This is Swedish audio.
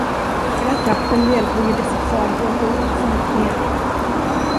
Hela trakten deltog i dessa farhågor och förhoppningar.